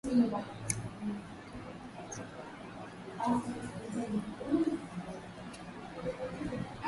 awali ocampo alisema kuwa amefanya uchunguzi wake jambo ambalo ruto amepuuzalia mbali